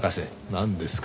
なんですか？